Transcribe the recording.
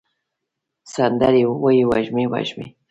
سندرې ووایې وږمې، وږمې